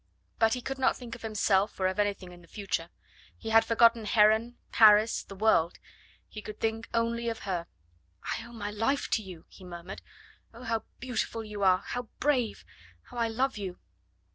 But he could not think of himself or of anything in the future. He had forgotten Heron, Paris, the world; he could only think of her. "I owe my life to you!" he murmured. "Oh, how beautiful you are how brave! How I love you!"